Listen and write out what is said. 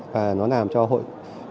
và nó làm cho hội